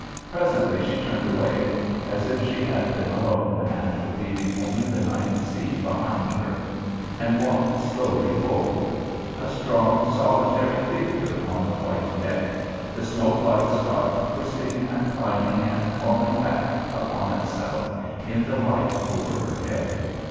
Presently she turned away, as if she had been alone and were leaving only the night sea behind her, and walked slowly forward; a strong, solitary figure on the white deck, the smoke like scarf twisting and climbing and falling back upon itself in the light over her head.